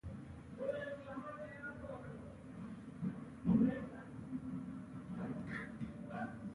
د دلکي کلی د نیمروز ولایت، دلکي ولسوالي په ختیځ کې پروت دی.